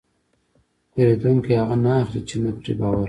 پیرودونکی هغه نه اخلي چې نه پرې باور لري.